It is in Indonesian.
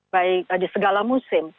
baik ada segala musim